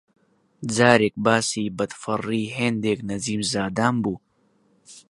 جارێک باسی بەدفەڕی هێندێک نەجیمزادان بوو